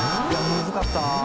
むずかったな。